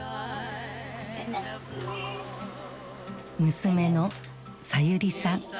娘のさゆりさん。